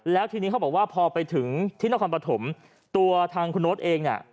แล้วทีนี้เขาบอกว่าพอไปถึงที่นครปฐมตัวทางคุณโน๊ตเองเนี่ย